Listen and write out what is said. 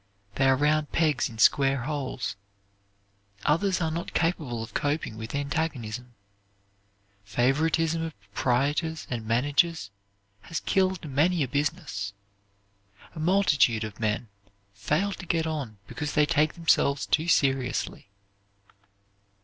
They are round pegs in square holes. Others are not capable of coping with antagonism. Favoritism of proprietors and managers has killed many a business. A multitude of men fail to get on because they take themselves too seriously.